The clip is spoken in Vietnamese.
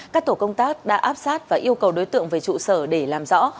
các tổ công tác đã áp sát và yêu cầu đối tượng về trụ sở để làm rõ